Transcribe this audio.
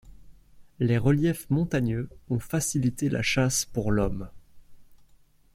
Les reliefs montagneux ont facilité la chasse pour l'Homme.